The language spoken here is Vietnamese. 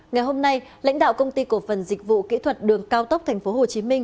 ngày hôm nay lãnh đạo công ty cổ phần dịch vụ kỹ thuật đường cao tốc tp hcm